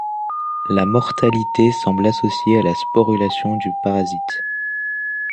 La mortalité semble associée à la sporulation du parasite.